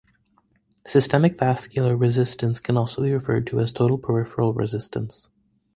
Systemic vascular resistance can also be referred to as total peripheral resistance.